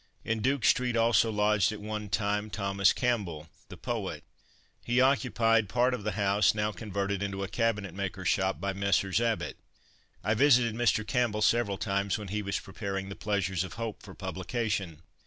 In Duke street also lodged at one time Thomas Campbell, the poet. He occupied part of the house now converted into a cabinet maker's shop by Messrs. Abbot. I visited Mr. Campbell several times when he was preparing "The Pleasures of Hope" for publication.